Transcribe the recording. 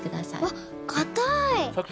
わっかたい。